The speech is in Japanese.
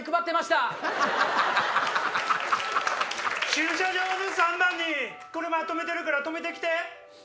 「駐車場の３番に車止めてるから止めて来て」。